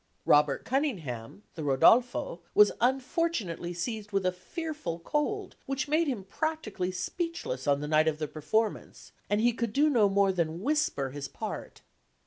Robert Cuningham, the Rodolfo, was unfortunately seized with a fearful cold which made him practically speechless on the night of the performance, and he could do no more than whisper his part.